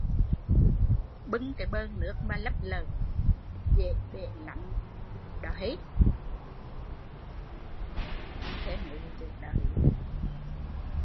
Bưng cái bờn nước mà lấp lởn, dễ bể lắm